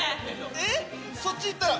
えっ⁉そっち行ったら。